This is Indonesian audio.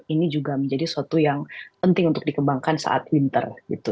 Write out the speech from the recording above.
ini juga menjadi suatu yang penting untuk dikembangkan saat winter